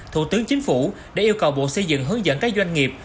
thủ tướng chính phủ đã yêu cầu bộ xây dựng hướng dẫn các doanh nghiệp